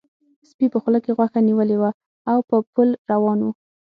سپي په خوله کې غوښه نیولې وه او په پل روان و.